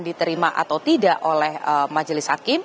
diterima atau tidak oleh majelis hakim